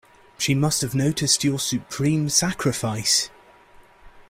She must have noticed your supreme sacrifice.